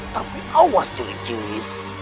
tapi awas juri juri